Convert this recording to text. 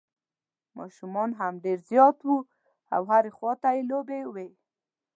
ماشومان هم ډېر زیات وو او هر خوا ته یې لوبې وې.